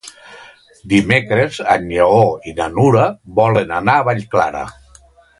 Dimecres en Lleó i na Nura volen anar a Vallclara.